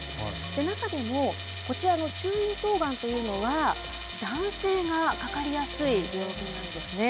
中でも、こちらの中咽頭がんというのは、男性がかかりやすい病気なんですね。